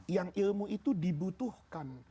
yang ilmu itu dibutuhkan